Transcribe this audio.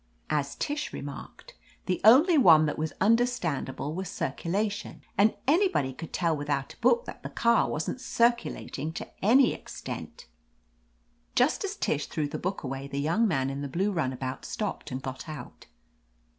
As Tish remarked, the only one that was understandable was Circulation, and any body could tell without a book that the car wasn't circulating to any extent. 230 •• I OF LETITIA CARBEkRY Just as Tish threw the book away the young man in the blue runabout stopped and got out.